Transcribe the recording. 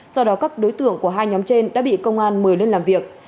sau đó các đối tượng của hai nhóm trên đã bị công an mời lên làm việc